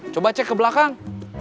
coba cek ke belakang